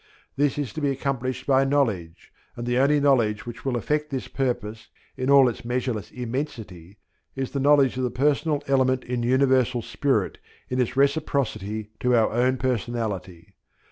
This is to be accomplished by knowledge; and the only knowledge which will effect this purpose in all its measureless immensity is the knowledge of the personal element in Universal Spirit in its reciprocity to our own personality.